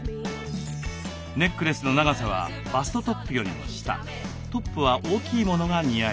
ネックレスの長さはバストトップよりも下トップは大きいものが似合います。